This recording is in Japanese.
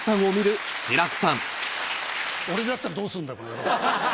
俺だったらどうするんだこの野郎。